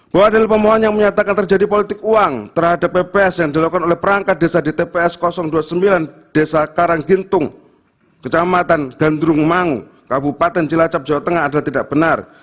bahwa del pemohon yang menyatakan terjadi politik uang terhadap pps yang dilakukan oleh perangkat desa di tps dua puluh sembilan desa karanggintung kecamatan gandrung mang kabupaten cilacap jawa tengah adalah tidak benar